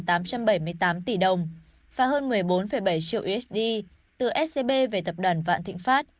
và hơn một mươi bốn bảy triệu usd từ scb về tập đoàn vạn thịnh pháp